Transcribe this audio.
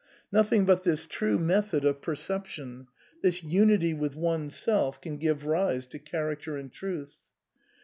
Nothing but this true method of perception, this unity with oneself, can give rise to character and truth.